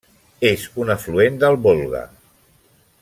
És un afluent del Volga.